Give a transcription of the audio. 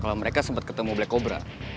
kalau mereka sempat ketemu black cobra